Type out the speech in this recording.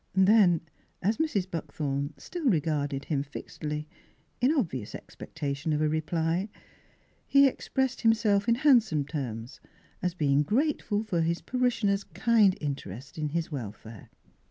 Then, as Mrs. Buckthorn still regarded him fixedly, in obvious expectation of a re ply, he expressed himself in handsome terms as being grateful for his parishion er's kind interest in his welfare.